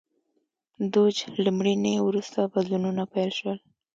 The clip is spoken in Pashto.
دوج له مړینې وروسته بدلونونه پیل شول.